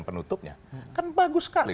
penutupnya kan bagus sekali